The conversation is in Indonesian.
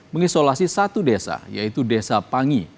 mengisolasi satu desa yaitu desa pangi